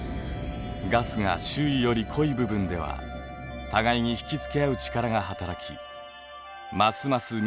ガスが周囲より濃い部分では互いに引き付け合う力が働きますます